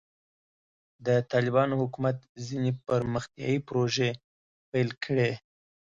د طالبانو حکومت ځینې پرمختیایي پروژې پیل کړې.